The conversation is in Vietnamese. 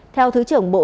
theo thứ trưởng bộ